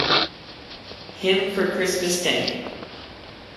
Hymn for Christmas Day.